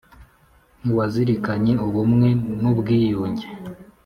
ntiwazirikanye ubumwe nu bwiyunge